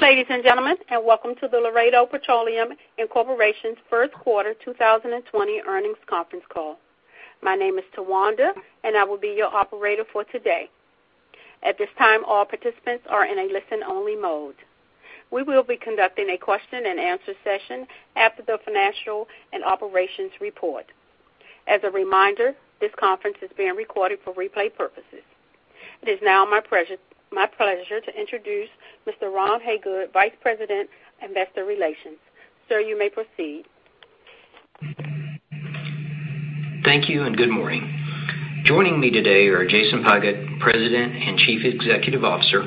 ;Good day, ladies and gentlemen, and welcome to the Laredo Petroleum, Inc.'s first quarter 2020 earnings conference call. My name is Tawanda, and I will be your operator for today. At this time, all participants are in a listen-only mode. We will be conducting a question and answer session after the financial and operations report. As a reminder, this conference is being recorded for replay purposes. It is now my pleasure to introduce Mr. Ron Hagood, Vice President and Investor Relations. Sir, you may proceed. Thank you, good morning. Joining me today are Jason Pigott, President and Chief Executive Officer,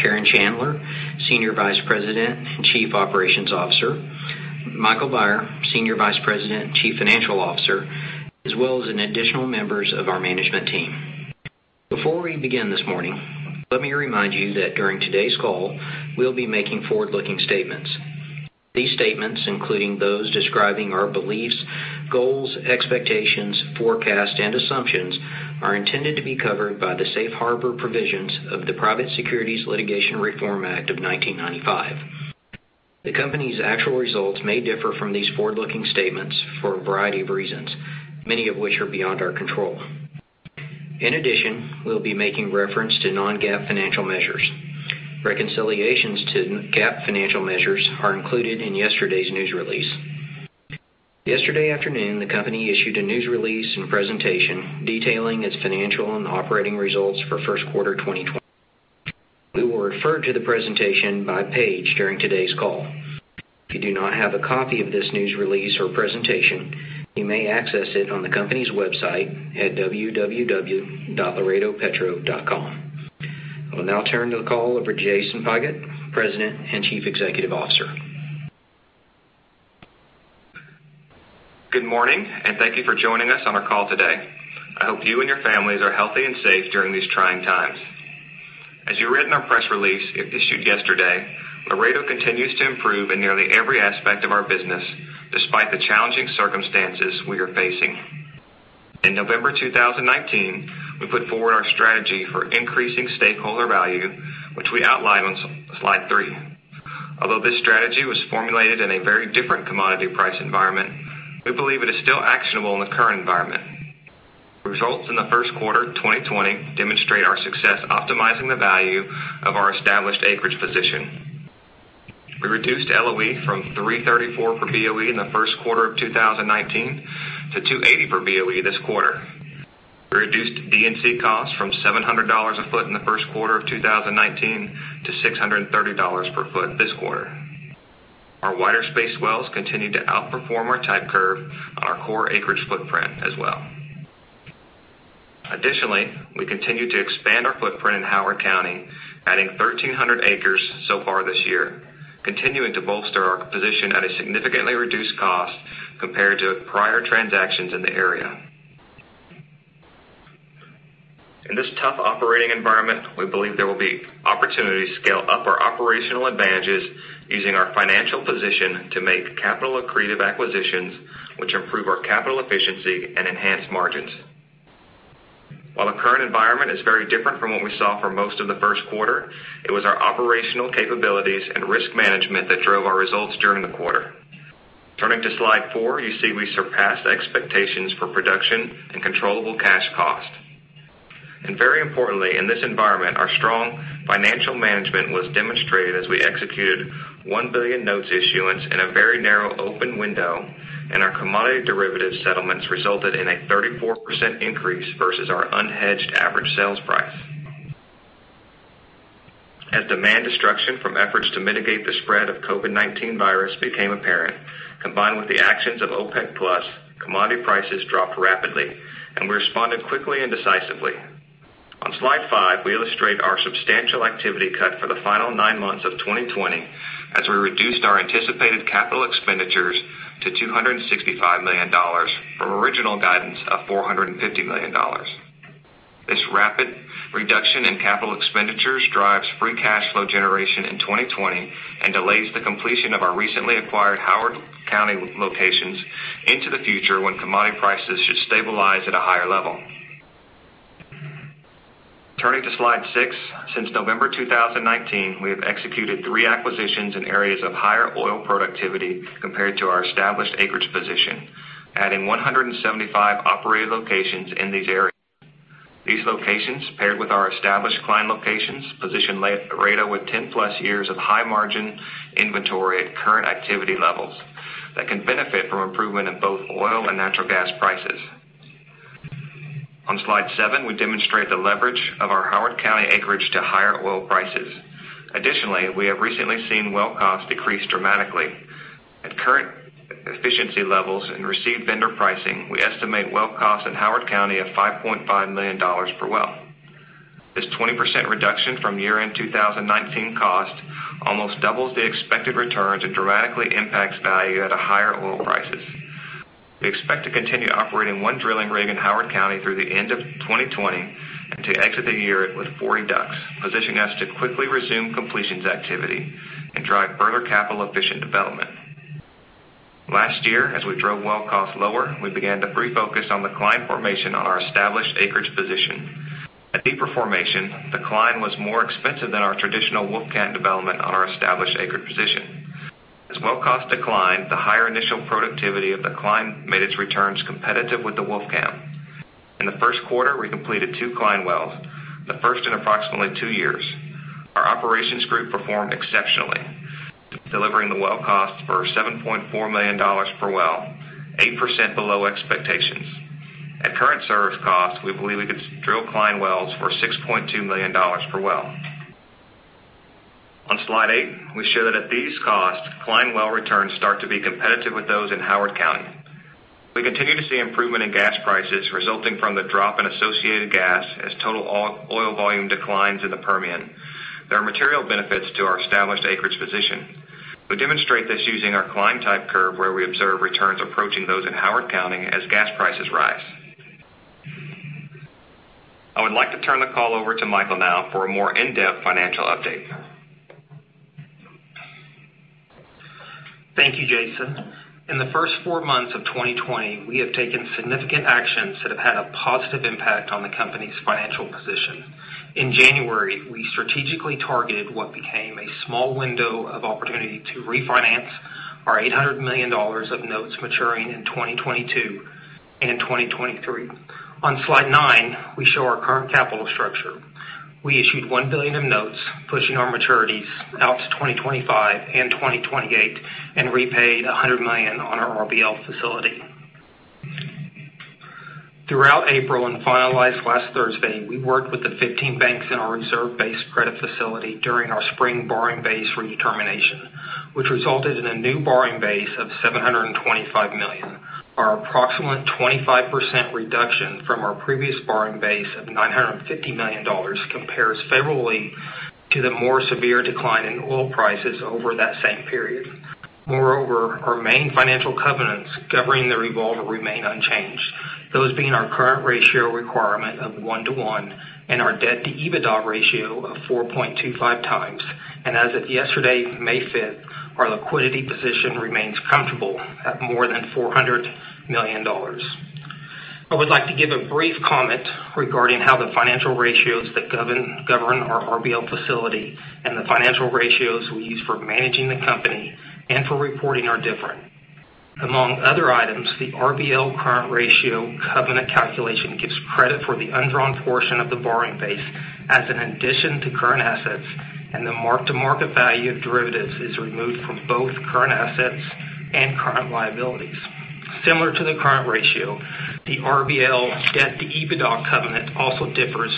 Karen Chandler, Senior Vice President and Chief Operating Officer; Michael Beyer, Senior Vice President and Chief Financial Officer, as well as additional members of our management team. Before we begin this morning, let me remind you that during today's call, we'll be making forward-looking statements. These statements, including those describing our beliefs, goals, expectations, forecasts, and assumptions, are intended to be covered by the safe harbor provisions of the Private Securities Litigation Reform Act of 1995. The company's actual results may differ from these forward-looking statements for a variety of reasons, many of which are beyond our control. In addition, we'll be making reference to non-GAAP financial measures. Reconciliations to GAAP financial measures are included in yesterday's news release. Yesterday afternoon, the company issued a news release and presentation detailing its financial and operating results for first quarter 2020. We will refer to the presentation by page during today's call. If you do not have a copy of this news release or presentation, you may access it on the company's website at www.laredopetro.com. I will now turn the call over to Jason Pigott, President and Chief Executive Officer. Good morning, thank you for joining us on our call today. I hope you and your families are healthy and safe during these trying times. As you read in our press release issued yesterday, Laredo continues to improve in nearly every aspect of our business, despite the challenging circumstances we are facing. In November 2019, we put forward our strategy for increasing stakeholder value, which we outline on slide three. Although this strategy was formulated in a very different commodity price environment, we believe it is still actionable in the current environment. Results in the first quarter 2020 demonstrate our success optimizing the value of our established acreage position. We reduced LOE from 3.34 per BOE in the first quarter of 2019 to $2.80 per BOE this quarter. We reduced D&C costs from $700 a foot in the first quarter of 2019 to $630 per foot this quarter. Our wider space wells continue to outperform our type curve on our core acreage footprint as well. Additionally, we continue to expand our footprint in Howard County, adding 1,300 acres so far this year, continuing to bolster our position at a significantly reduced cost compared to prior transactions in the area. In this tough operating environment, we believe there will be opportunities to scale up our operational advantages using our financial position to make capital accretive acquisitions, which improve our capital efficiency and enhance margins. While the current environment is very different from what we saw for most of the first quarter, it was our operational capabilities and risk management that drove our results during the quarter. Turning to slide four, you see we surpassed expectations for production and controllable cash cost. Very importantly, in this environment, our strong financial management was demonstrated as we executed $1 billion notes issuance in a very narrow open window, and our commodity derivative settlements resulted in a 34% increase versus our unhedged average sales price. As demand destruction from efforts to mitigate the spread of COVID-19 virus became apparent, combined with the actions of OPEC+, commodity prices dropped rapidly, and we responded quickly and decisively. On slide five, we illustrate our substantial activity cut for the final nine months of 2020, as we reduced our anticipated capital expenditures to $265 million from original guidance of $450 million. This rapid reduction in capital expenditures drives free cash flow generation in 2020 and delays the completion of our recently acquired Howard County locations into the future when commodity prices should stabilize at a higher level. Turning to slide six, since November 2019, we have executed three acquisitions in areas of higher oil productivity compared to our established acreage position, adding 175 operated locations in these areas. These locations, paired with our established Cline locations, position Laredo with 10+ years of high-margin inventory at current activity levels that can benefit from improvement in both oil and natural gas prices. On slide seven, we demonstrate the leverage of our Howard County acreage to higher oil prices. Additionally, we have recently seen well costs decrease dramatically. At current efficiency levels and received vendor pricing, we estimate well costs in Howard County of $5.5 million per well. This 20% reduction from year-end 2019 cost almost doubles the expected returns and dramatically impacts value at higher oil prices. We expect to continue operating one drilling rig in Howard County through the end of 2020 and to exit the year with 40 DUCs, positioning us to quickly resume completions activity and drive further capital-efficient development. Last year, as we drove well costs lower, we began to pre-focus on the Cline formation on our established acreage position. A deeper formation, the Cline was more expensive than our traditional Wolfcamp development on our established acreage position. As well cost declined, the higher initial productivity of the Cline made its returns competitive with the Wolfcamp. In the first quarter, we completed two Cline wells, the first in approximately two years. Our operations group performed exceptionally, delivering the well costs for $7.4 million per well, 8% below expectations. At current service costs, we believe we could drill Cline wells for $6.2 million per well. On slide eight, we show that at these costs, Cline well returns start to be competitive with those in Howard County. We continue to see improvement in gas prices resulting from the drop in associated gas as total oil volume declines in the Permian. There are material benefits to our established acreage position. We demonstrate this using our Cline-type curve, where we observe returns approaching those in Howard County as gas prices rise. I would like to turn the call over to Michael now for a more in-depth financial update. Thank you, Jason. In the first four months of 2020, we have taken significant actions that have had a positive impact on the company's financial position. In January, we strategically targeted what became a small window of opportunity to refinance our $800 million of notes maturing in 2022 and in 2023. On slide nine, we show our current capital structure. We issued $1 billion of notes, pushing our maturities out to 2025 and 2028, and repaid $100 million on our RBL facility. Throughout April, and finalized last Thursday, we worked with the 15 banks in our reserve-based credit facility during our spring borrowing base redetermination, which resulted in a new borrowing base of $725 million. Our approximate 25% reduction from our previous borrowing base of $950 million compares favorably to the more severe decline in oil prices over that same period. Moreover, our main financial covenants governing the revolver remain unchanged, those being our current ratio requirement of 1:1 and our debt to EBITDA ratio of 4.25 times. As of yesterday, May 5th, our liquidity position remains comfortable at more than $400 million. I would like to give a brief comment regarding how the financial ratios that govern our RBL facility and the financial ratios we use for managing the company and for reporting are different. Among other items, the RBL current ratio covenant calculation gives credit for the undrawn portion of the borrowing base as an addition to current assets, and the mark-to-market value of derivatives is removed from both current assets and current liabilities. Similar to the current ratio, the RBL debt to EBITDA covenant also differs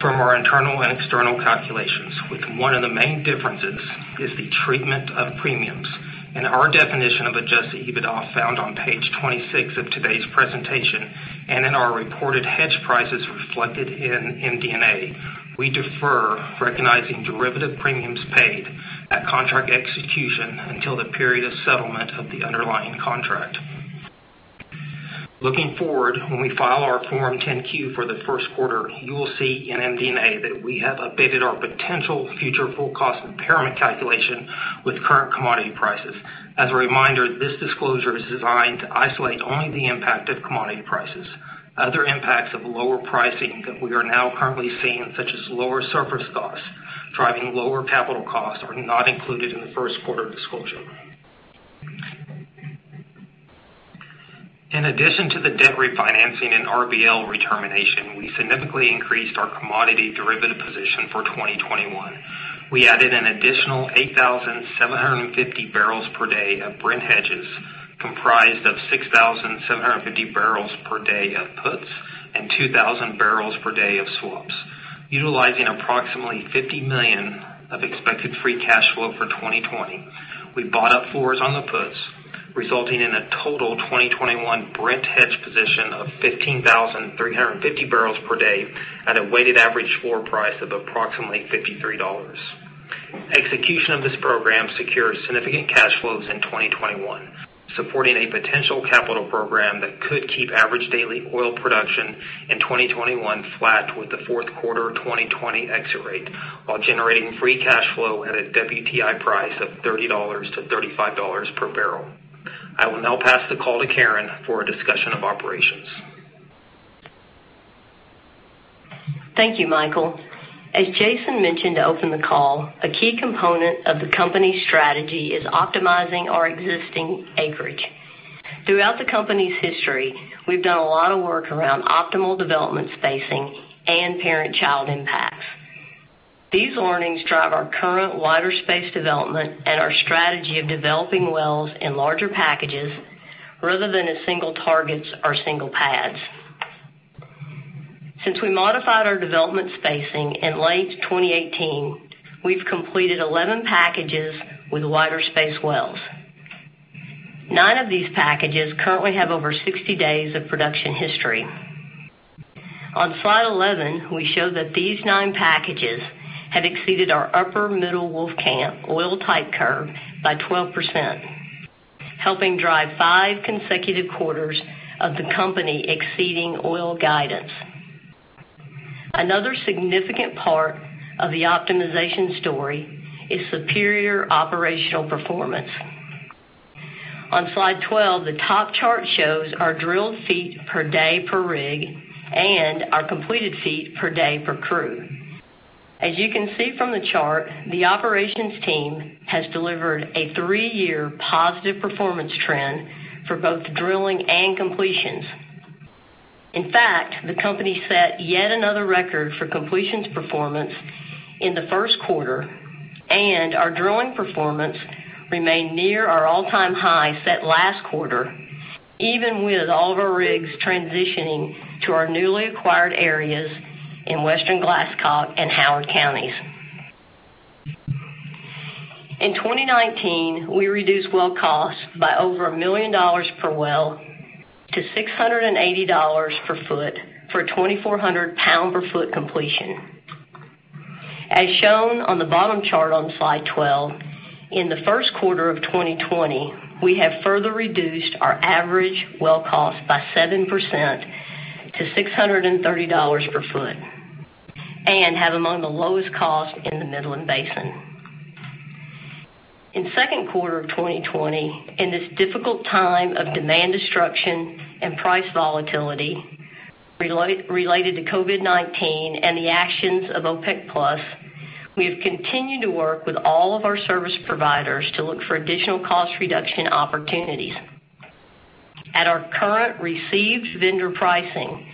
from our internal and external calculations, with one of the main differences is the treatment of premiums. In our definition of adjusted EBITDA, found on page 26 of today's presentation, and in our reported hedge prices reflected in MD&A, we defer recognizing derivative premiums paid at contract execution until the period of settlement of the underlying contract. Looking forward, when we file our Form 10-Q, for the first quarter, you will see in MD&A that we have updated our potential future full cost impairment calculation with current commodity prices. As a reminder, this disclosure is designed to isolate only the impact of commodity prices. Other impacts of lower pricing that we are now currently seeing, such as lower surface costs, driving lower capital costs, are not included in the first quarter disclosure. In addition to the debt refinancing and RBL redetermination, we significantly increased our commodity derivative position for 2021. We added an additional 8,750 barrels per day of Brent hedges, comprised of 6,750 barrels per day of puts and 2,000 barrels per day of swaps, utilizing approximately $50 million of expected free cash flow for 2020. We bought up four on the puts, resulting in a total 2021 Brent hedge position of 15,350 barrels per day at a weighted average floor price of approximately $53. Execution of this program secures significant cash flows in 2021, supporting a potential capital program that could keep average daily oil production in 2021 flat with the fourth quarter 2020 exit rate while generating free cash flow at a WTI price of $30-$35 per barrel. I will now pass the call to Karen for a discussion of operations. Thank you, Michael. As Jason mentioned to open the call, a key component of the company's strategy is optimizing our existing acreage. Throughout the company's history, we've done a lot of work around optimal development spacing and parent-child impacts. These learnings drive our current wider space development and our strategy of developing wells in larger packages rather than as single targets or single pads. Since we modified our development spacing in late 2018, we've completed 11 packages with wider space wells. Nine of these packages currently have over 60 days of production history. On slide 11, we show that these nine packages have exceeded our Upper Middle Wolfcamp oil type curve by 12%, helping drive five consecutive quarters of the company exceeding oil guidance. Another significant part of the optimization story is superior operational performance. On slide 12, the top chart shows our drilled feet per day per rig and our completed feet per day per crew. As you can see from the chart, the operations team has delivered a three-year positive performance trend for both drilling and completions. In fact, the company set yet another record for completions performance in the first quarter, and our drilling performance remained near our all-time high set last quarter, even with all of our rigs transitioning to our newly acquired areas in Western Glasscock and Howard counties. In 2019, we reduced well costs by over $1 million per well to $680 per foot for a 2,400-pound-per-foot completion. As shown on the bottom chart on slide 12, in the first quarter of 2020, we have further reduced our average well cost by 7% to $630 per foot and have among the lowest cost in the Midland Basin. In second quarter of 2020, in this difficult time of demand destruction and price volatility related to COVID-19 and the actions of OPEC+, we have continued to work with all of our service providers to look for additional cost reduction opportunities. At our current received vendor pricing,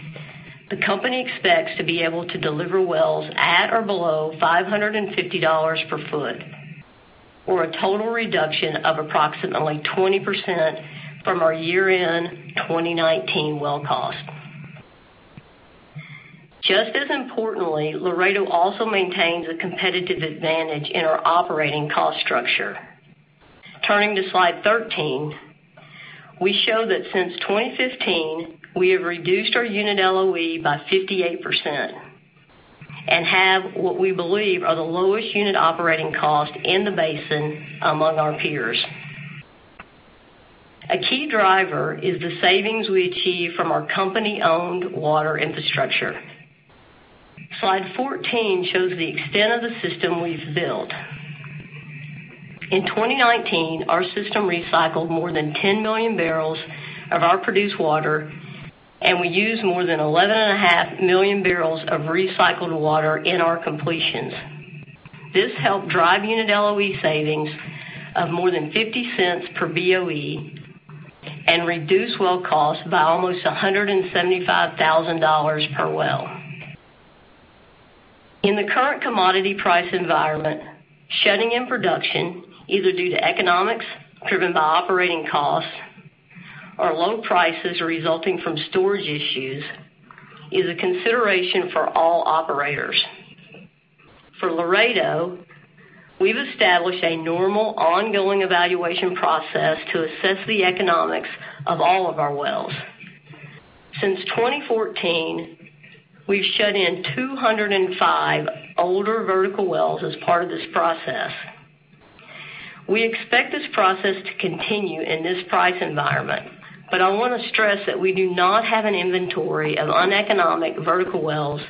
the company expects to be able to deliver wells at or below $550 per foot, or a total reduction of approximately 20% from our year-end 2019 well cost. Just as importantly, Laredo also maintains a competitive advantage in our operating cost structure. Turning to slide 13, we show that since 2015, we have reduced our unit LOE by 58% and have what we believe are the lowest unit operating cost in the basin among our peers. A key driver is the savings we achieve from our company-owned water infrastructure. Slide 14 shows the extent of the system we've built. In 2019, our system recycled more than 10 million barrels of our produced water, and we used more than 11.5 million barrels of recycled water in our completions. This helped drive unit LOE savings of more than $0.50 per BOE and reduce well cost by almost $175,000 per well. In the current commodity price environment, shutting in production, either due to economics driven by operating costs or low prices resulting from storage issues, is a consideration for all operators. For Laredo, we've established a normal ongoing evaluation process to assess the economics of all of our wells. Since 2014, we've shut in 205 older vertical wells as part of this process. We expect this process to continue in this price environment, but I want to stress that we do not have an inventory of uneconomic vertical wells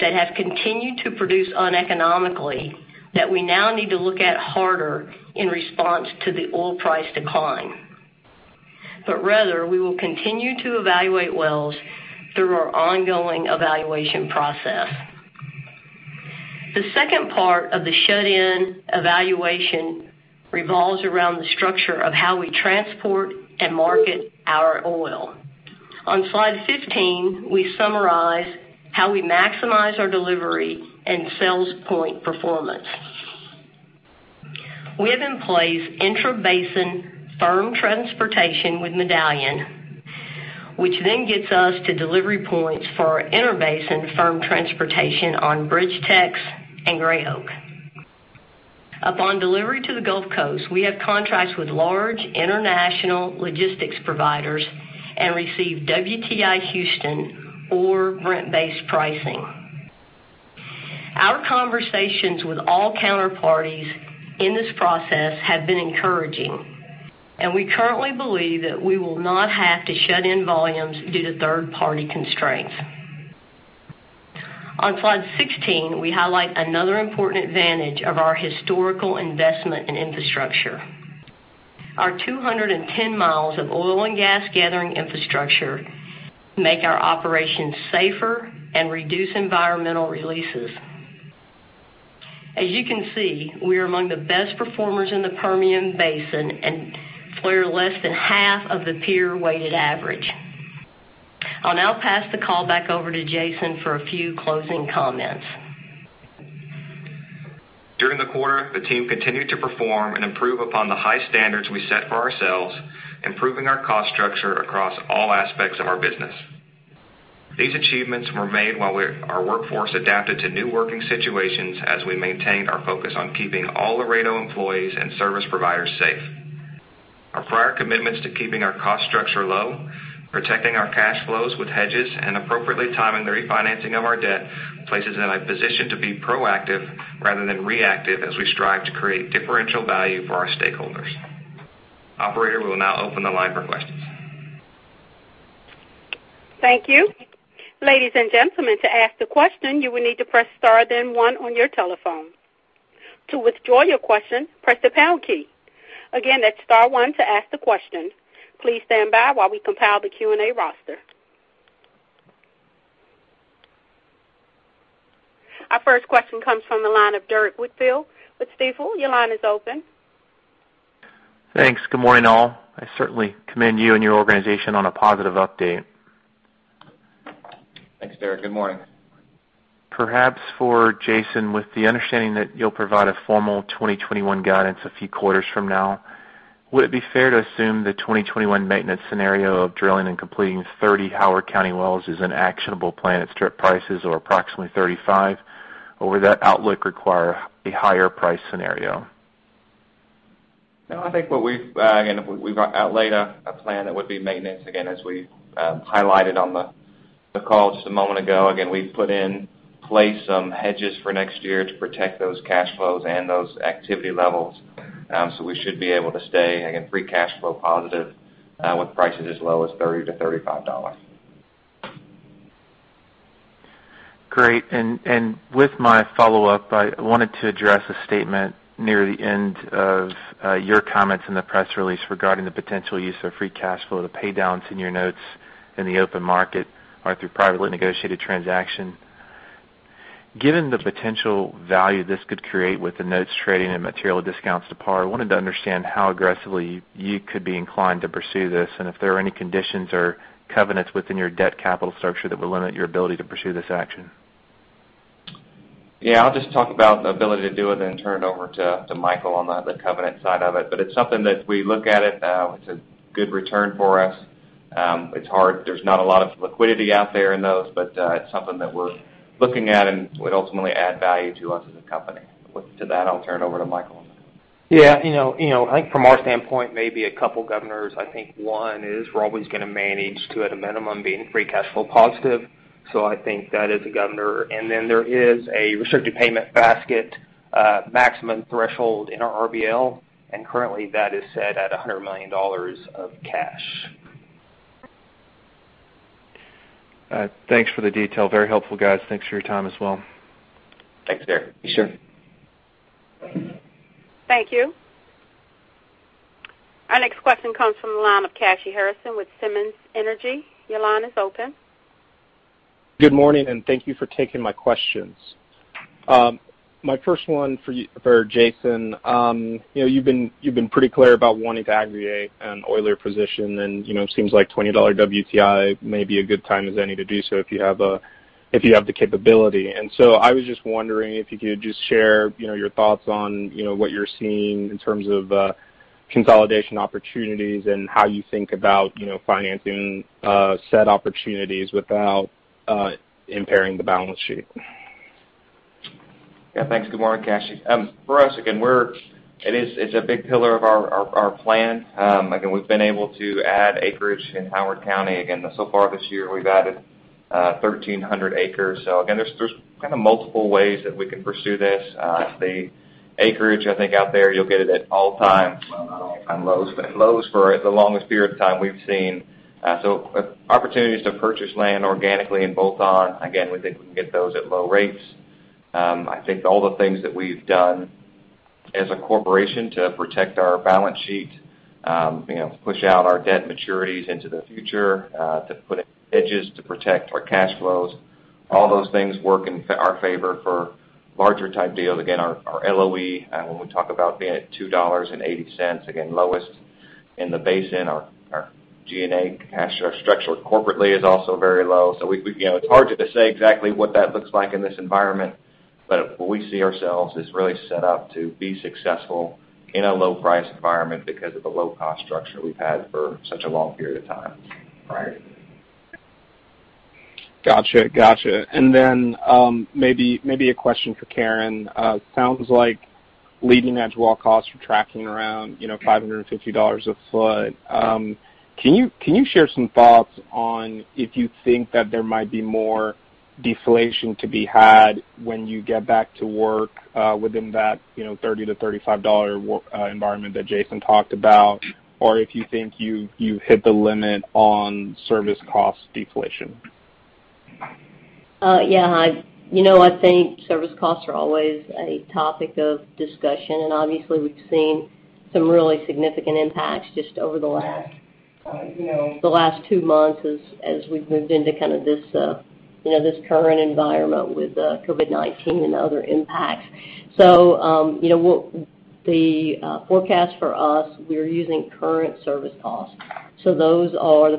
that have continued to produce uneconomically that we now need to look at harder in response to the oil price decline. Rather, we will continue to evaluate wells through our ongoing evaluation process. The second part of the shut-in evaluation revolves around the structure of how we transport and market our oil. On slide 15, we summarize how we maximize our delivery and sales point performance. We have in place intrabasin firm transportation with Medallion, which then gets us to delivery points for our intrabasin firm transportation on BridgeTex and Gray Oak. Upon delivery to the Gulf Coast, we have contracts with large international logistics providers and receive WTI Houston or Brent-based pricing. Our conversations with all counterparties in this process have been encouraging, and we currently believe that we will not have to shut in volumes due to third-party constraints. On slide 16, we highlight another important advantage of our historical investment in infrastructure. Our 210 miles of oil and gas gathering infrastructure make our operations safer and reduce environmental releases. As you can see, we are among the best performers in the Permian Basin and flare less than half of the peer-weighted average. I'll now pass the call back over to Jason for a few closing comments. During the quarter, the team continued to perform and improve upon the high standards we set for ourselves, improving our cost structure across all aspects of our business. These achievements were made while our workforce adapted to new working situations as we maintained our focus on keeping all Laredo employees and service providers safe. Our prior commitments to keeping our cost structure low, protecting our cash flows with hedges, and appropriately timing the refinancing of our debt places us in a position to be proactive rather than reactive as we strive to create differential value for our stakeholders. Operator, we will now open the line for questions. Thank you. Ladies and gentlemen, to ask the question, you will need to press star then one on your telephone. To withdraw your question, press the pound key. Again, that's star one to ask the question. Please stand by while we compile the Q&A roster. Our first question comes from the line of Derrick Whitfield with Stifel. Your line is open. Thanks. Good morning, all. I certainly commend you and your organization on a positive update. Thanks, Derrick. Good morning. Perhaps for Jason, with the understanding that you'll provide a formal 2021 guidance a few quarters from now, would it be fair to assume the 2021 maintenance scenario of drilling and completing 30 Howard County wells is an actionable plan at strip prices or approximately 35? Would that outlook require a higher price scenario? No, I think what we've outlined a plan that would be maintenance. As we highlighted on the call just a moment ago, we've put in place some hedges for next year to protect those cash flows and those activity levels. We should be able to stay, again, free cash flow positive with prices as low as $30-$35. Great. With my follow-up, I wanted to address a statement near the end of your comments in the press release regarding the potential use of free cash flow to pay down senior notes in the open market or through privately negotiated transaction. Given the potential value this could create with the notes trading at material discounts to par, I wanted to understand how aggressively you could be inclined to pursue this, and if there are any conditions or covenants within your debt capital structure that would limit your ability to pursue this action. Yeah, I'll just talk about the ability to do it, then turn it over to Michael on the covenant side of it. It's something that we look at it's a good return for us. It's hard. There's not a lot of liquidity out there in those, but it's something that we're looking at and would ultimately add value to us as a company. With that, I'll turn it over to Michael. Yeah. I think from our standpoint, maybe a couple governors, I think one is we're always going to manage to, at a minimum, being free cash flow positive. I think that is a governor. There is a restricted payment basket maximum threshold in our RBL, and currently, that is set at $100 million of cash. Thanks for the details. Very helpful, guys. Thanks for your time as well. Thanks, Derrick. Sure. Thank you. Our next question comes from the line of Kashy Harrison with Simmons Energy. Your line is open. Good morning, and thank you for taking my questions. My first one for Jason. You've been pretty clear about wanting to aggregate an oiler position, and it seems like $20 WTI may be a good time as any to do so if you have the capability. I was just wondering if you could just share your thoughts on what you're seeing in terms of consolidation opportunities and how you think about financing said opportunities without impairing the balance sheet. Yeah, thanks. Good morning, Kashy. For us, again, it's a big pillar of our plan. We've been able to add acreage in Howard County. So far this year, we've added 1,300 acres. There's kind of multiple ways that we can pursue this. The acreage, I think out there, you'll get it at all-time, well, not all-time lows, but lows for the longest period of time we've seen. Opportunities to purchase land organically and bolt-on, again, we think we can get those at low rates. I think all the things that we've done as a corporation to protect our balance sheet, push out our debt maturities into the future, to put hedges to protect our cash flows, all those things work in our favor for larger type deals. Our LOE, when we talk about being at $2.80, again, lowest in the basin. Our G&A cash, our structure corporately is also very low. It's hard to say exactly what that looks like in this environment. We see ourselves as really set up to be successful in a low-price environment because of the low-cost structure we've had for such a long period of time. Right? Got you. Maybe a question for Karen. Sounds like leading-edge well costs are tracking around $550 a foot. Can you share some thoughts on if you think that there might be more deflation to be had when you get back to work within that $30-$35 environment that Jason talked about? If you think you've hit the limit on service cost deflation? Yeah. I think service costs are always a topic of discussion, and obviously, we've seen some really significant impacts just over the last two months as we've moved into this current environment with COVID-19 and other impacts. The forecast for us, we are using current service costs. Those are the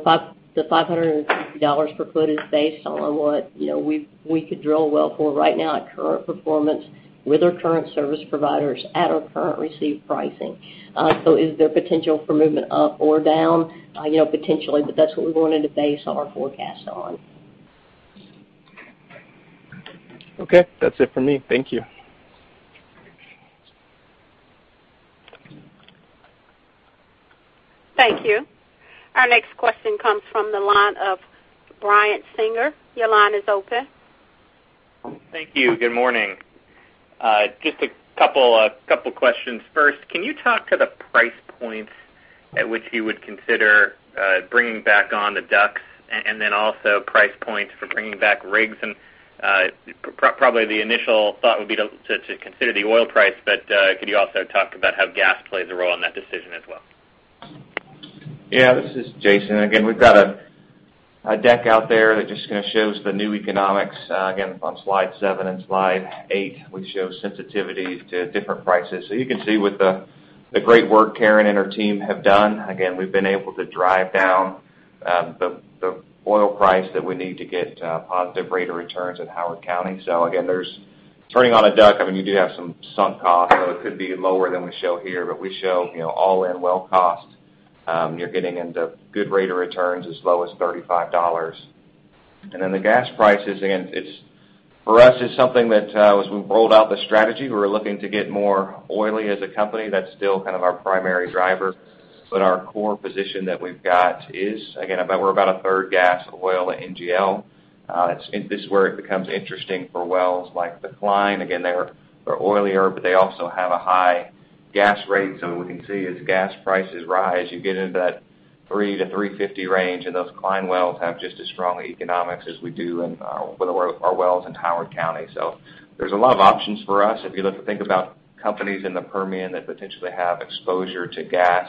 $550 per foot is based on what we could drill a well for right now at current performance, with our current service providers at our current received pricing. Is there potential for movement up or down? Potentially, but that's what we wanted to base our forecast on. Okay. That's it for me. Thank you. Thank you. Our next question comes from the line of Brian Singer. Your line is open. Thank you. Good morning. Just a couple questions. First, can you talk to the price points at which you would consider bringing back on the DUCs, and then also price points for bringing back rigs? Probably the initial thought would be to consider the oil price, but could you also talk about how gas plays a role in that decision as well? Yeah, this is Jason. We've got a deck out there that just shows the new economics. On slide seven and slide eight, we show sensitivities to different prices. You can see with the great work Karen and her team have done, again, we've been able to drive down the oil price that we need to get positive rate of returns in Howard County. Again, turning on a DUC, you do have some sunk costs, so it could be lower than we show here, but we show all-in well costs. You're getting into good rate of returns as low as $35. The gas prices, again, for us, it's something that as we've rolled out the strategy, we're looking to get more oily as a company. That's still our primary driver. Our core position that we've got is, again, we're about a third gas, oil, and NGL. This is where it becomes interesting for wells like the Cline. Again, they're oilier, but they also have a high gas rate. We can see as gas prices rise, you get into that $3-$3.50 range, and those Cline wells have just as strong economics as we do with our wells in Howard County. There's a lot of options for us. If you think about companies in the Permian that potentially have exposure to gas,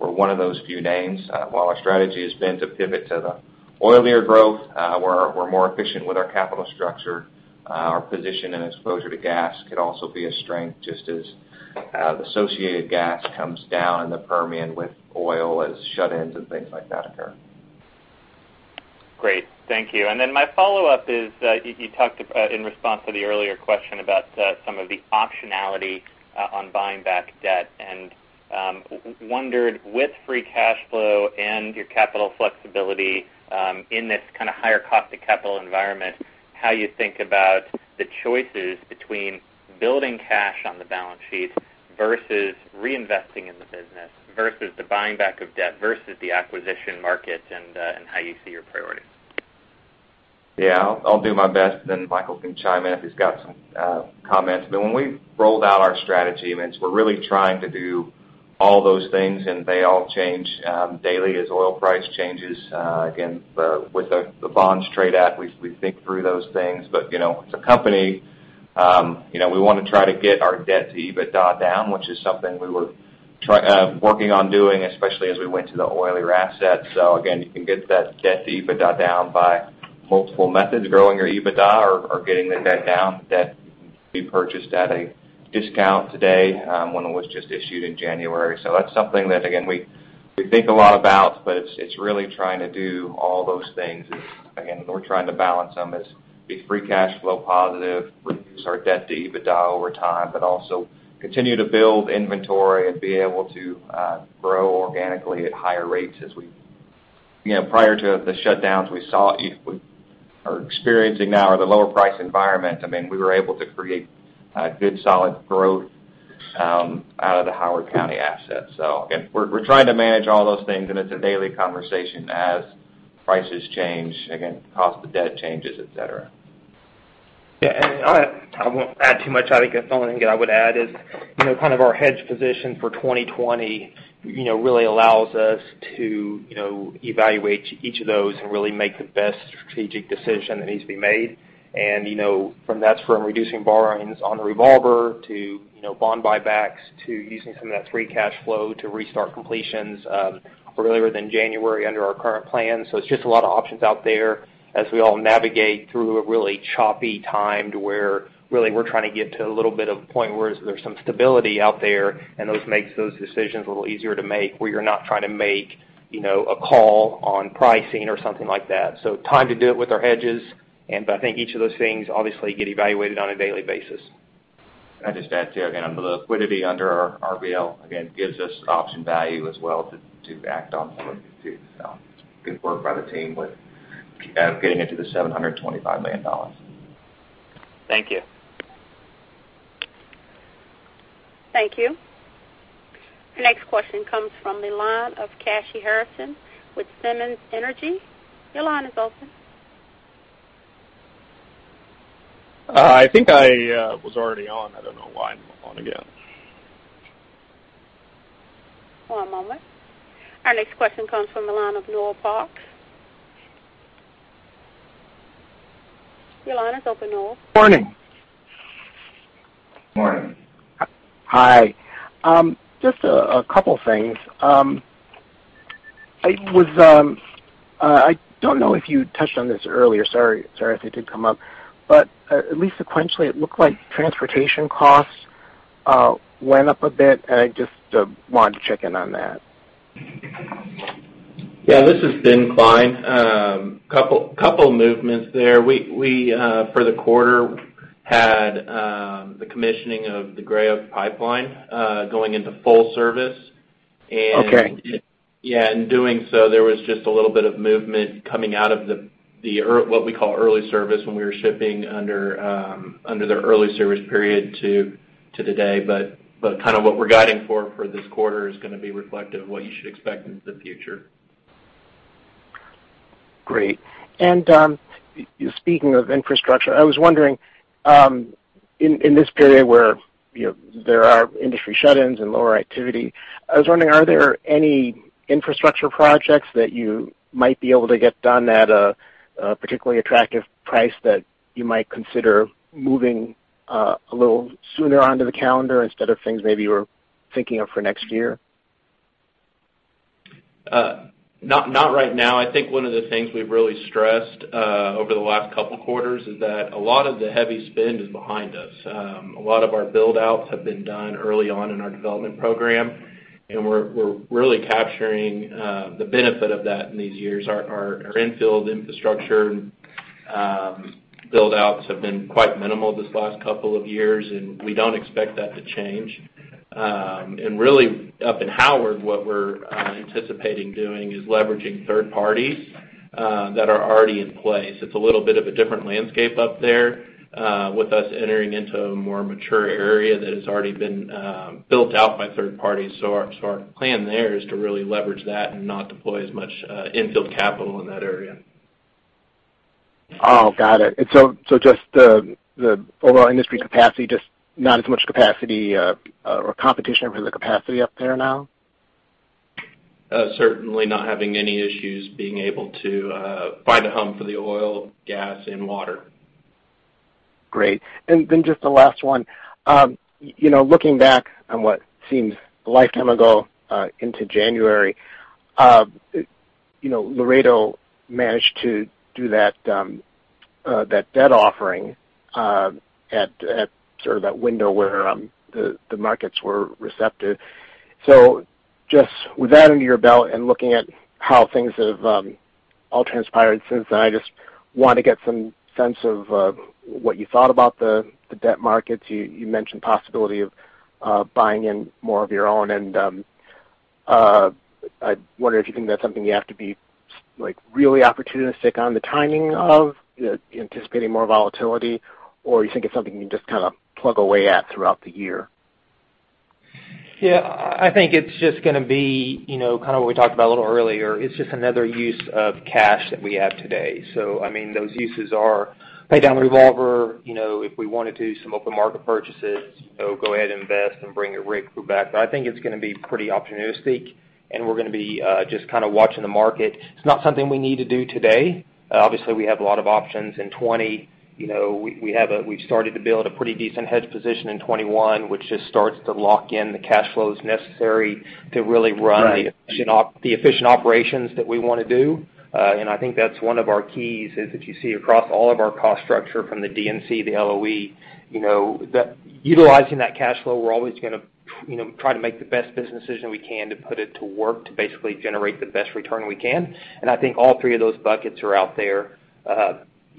we're one of those few names. While our strategy has been to pivot to the oilier growth, we're more efficient with our capital structure. Our position and exposure to gas could also be a strength, just as the associated gas comes down in the Permian with oil, as shut-ins and things like that occur. Great. Thank you. My follow-up is, you talked about, in response to the earlier question, about some of the optionality on buying back debt, and wondered with free cash flow and your capital flexibility in this kind of higher cost of capital environment, how you think about the choices between building cash on the balance sheet versus reinvesting in the business versus the buying back of debt versus the acquisition market and how you see your priorities? Yeah, I'll do my best. Michael can chime in if he's got some comments. When we rolled out our strategy, we're really trying to do all those things, and they all change daily as oil prices change. Again, with the bond trade-out, we think through those things. As a company, we want to try to get our debt to EBITDA down, which is something we were working on doing, especially as we went to the oilier assets. Again, you can get that debt to EBITDA down by multiple methods, growing your EBITDA or getting the debt down that we purchased at a discount today when it was just issued in January. That's something that, again, we think a lot about, but it's really trying to do all those things. Again, we're trying to balance them as be free cash flow positive, reduce our debt to EBITDA over time, also continue to build inventory and be able to grow organically at higher rates Prior to the shutdowns we saw or are experiencing now or the lower price environment, we were able to create good, solid growth out of the Howard County asset. Again, we're trying to manage all those things, and it's a daily conversation as prices change, again, cost of debt changes, et cetera. I won't add too much. I think the only thing I would add is our hedge position for 2020 really allows us to evaluate each of those and really make the best strategic decision that needs to be made. That's from reducing borrowings on a revolver to bond buybacks to using some of that free cash flow to restart completions earlier than January under our current plan. It's just a lot of options out there as we all navigate through a really choppy time to where really we're trying to get to a little bit of a point where there's some stability out there, and those make those decisions a little easier to make, where you're not trying to make a call on pricing or something like that. Time to do it with our hedges, and I think each of those things obviously gets evaluated on a daily basis. Can I just add, too, again, the liquidity under our RBL, again, gives us option value as well to act on some of it, too. Good work by the team with getting it to the $725 million. Thank you. Thank you. Next question comes from the line of Kashy Harrison with Simmons Energy. Your line is open. I think I was already on. I don't know why I'm on again. One moment. Our next question comes from the line of Noel Parks. Your line is open, Noel. Morning. Morning. Hi. Just a couple things. I don't know if you touched on this earlier, sorry if it did come up, but at least sequentially, it looked like transportation costs went up a bit, and I just wanted to check in on that. Yeah, this is Ben Klein. Two movements there. We, for the quarter, had the commissioning of the Gray Oak pipeline going into full service. Okay. Yeah, in doing so, there was just a little bit of movement coming out of what we call early service when we were shipping under their early service period to today. What we're guiding for this quarter is going to be reflective of what you should expect into the future. Great. Speaking of infrastructure, in this period where there are industry shut-ins and lower activity, I was wondering, are there any infrastructure projects that you might be able to get done at a particularly attractive price that you might consider moving a little sooner onto the calendar instead of things maybe you were thinking of for next year? Not right now. I think one of the things we've really stressed over the last couple of quarters is that a lot of the heavy spend is behind us. Our build-outs have been done early on in our development program, and we're really capturing the benefit of that in these years. Our infill infrastructure build-outs have been quite minimal this last couple of years, and we don't expect that to change. Really, up in Howard, what we're anticipating doing is leveraging third parties that are already in place. It's a little bit of a different landscape up there with us entering into a more mature area that has already been built out by third parties. Our plan there is to really leverage that and not deploy as much infill capital in that area. Oh, got it. Just the overall industry capacity, just not as much capacity or competition for the capacity up there now? Certainly not having any issues being able to find a home for the oil, gas, and water. Great. Just the last one. Looking back on what seems a lifetime ago into January, Laredo managed to do that debt offering at sort of that window where the markets were receptive. Just with that under your belt and looking at how things have all transpired since then, I just want to get some sense of what you thought about the debt markets. You mentioned the possibility of buying in more of your own, and I wonder if you think that's something you have to be really opportunistic on the timing of, anticipating more volatility, or you think it's something you can just kind of plug away at throughout the year? Yeah, I think it's just going to be, kind of what we talked about a little earlier, it's just another use of cash that we have today. Those uses are pay down the revolver, if we wanted to, some open market purchases. Go ahead and invest and bring your rig crew back. I think it's going to be pretty opportunistic, and we're going to be just kind of watching the market. It's not something we need to do today. Obviously, we have a lot of options in 2020. We've started to build a pretty decent hedge position in 2021, which just starts to lock in the cash flows necessary to really run the efficient operations that we want to do. I think that's one of our keys is that you see across all of our cost structure from the D&C, the LOE. Utilizing that cash flow, we're always going to try to make the best business decision we can to put it to work to basically generate the best return we can. I think all three of those buckets are out there.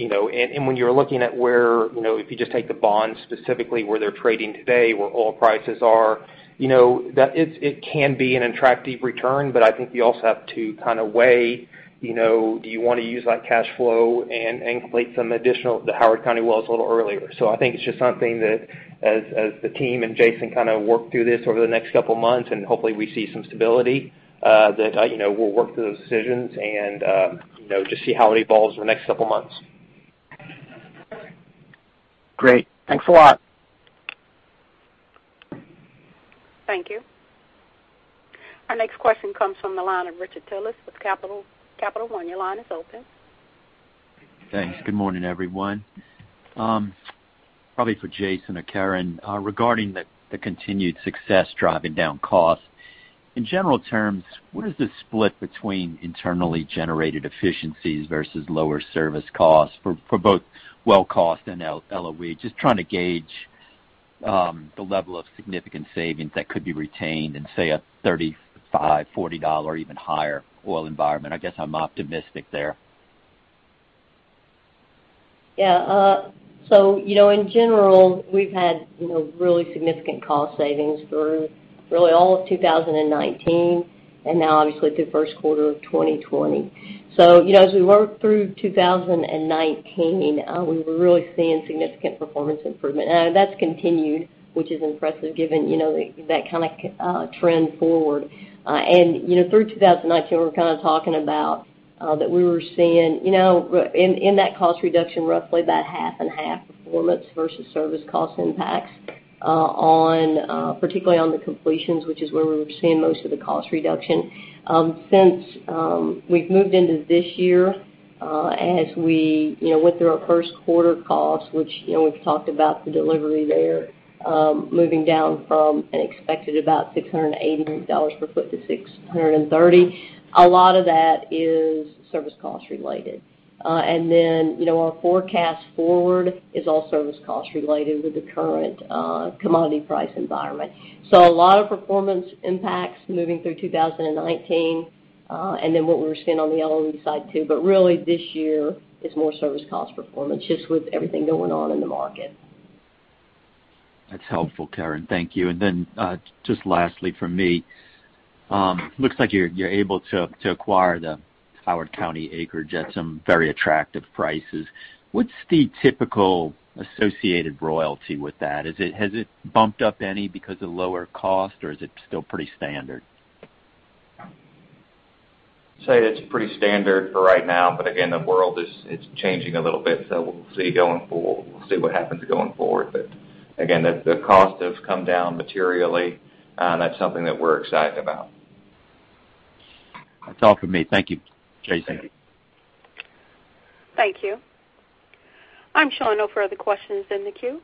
When you're looking at where, if you just take the bonds specifically, where they're trading today, where oil prices are, it can be an attractive return, but I think you also have to kind of weigh, do you want to use that cash flow and inflate some additional, the Howard County wells a little earlier. I think it's just something that as the team and Jason kind of work through this over the next couple of months, and hopefully we see some stability, that we'll work through those decisions and just see how it evolves over the next couple months. Great. Thanks a lot. Thank you. Our next question comes from the line of Richard Tullis with Capital One. Your line is open. Thanks. Good morning, everyone. Probably for Jason or Karen Chandler, regarding the continued success driving down costs. In general terms, what is the split between internally generated efficiencies versus lower service costs for both well cost and LOE? Just trying to gauge the level of significant savings that could be retained in, say, a $35, $40, even higher oil environment. I guess I'm optimistic there. In general, we've had really significant cost savings through all of 2019 and now obviously through Q1 2020. As we worked through 2019, we were really seeing significant performance improvement. That's continued, which is impressive given that kind of trend forward. Through 2019, we were kind of talking about that we were seeing in that cost reduction, roughly about half and half performance versus service cost impacts, particularly on the completions, which is where we were seeing most of the cost reduction. Since we've moved into this year, as we went through our Q1 costs, which we've talked about the delivery there, moving down from an expected about $680 per foot to $630. A lot of that is service cost-related. Our forecast forward is all service cost related with the current commodity price environment. A lot of performance impacts moving through 2019. Then what we were seeing on the LOE side, too. Really this year is more service cost performance just with everything going on in the market. That's helpful, Karen. Thank you. Then, just lastly from me, looks like you're able to acquire the Howard County acreage at some very attractive prices. What's the typical associated royalty with that? Has it bumped up any because of lower cost, or is it still pretty standard? Say it's pretty standard for right now. Again, the world is changing a little bit, so we'll see what happens going forward. Again, the cost has come down materially. That's something that we're excited about. That's all for me. Thank you, Jason. Thank you. Thank you. I'm showing no further questions in the queue.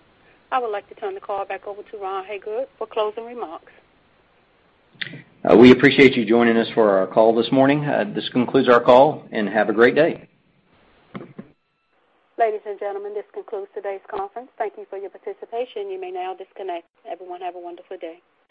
I would like to turn the call back over to Ron Hagood for closing remarks. We appreciate you joining us for our call this morning. This concludes our call, and have a great day. Ladies and gentlemen, this concludes today's conference. Thank you for your participation. You may now disconnect. Everyone have a wonderful day.